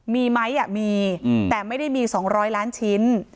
มีไหมมีแต่ไม่ได้มี๒๐๐ล้านชิ้น